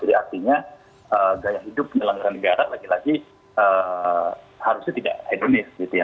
jadi artinya gaya hidup penyelenggaraan negara lagi lagi harusnya tidak hedonis gitu ya